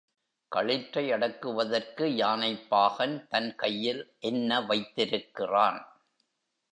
களிற்றை அடக்குவதற்கு யானைப் பாகன் தன் கையில் என்ன வைத்திருக்கிறான்?